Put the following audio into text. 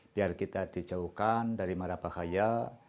biar kita dijauhkan dari mana bahaya